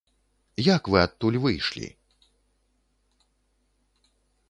Як вы адтуль выйшлі?